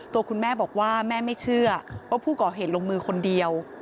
ตัวคุณแม่บอกว่าแม่ไม่เชื่อว่าผู้ก่อเหตุลงมือคนเดียว